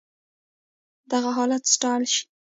دغه حالت ستايل شي.